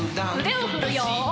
腕を振るよ。